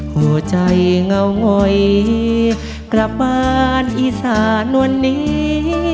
หัวใจเงางอยกลับบ้านอีสานวันนี้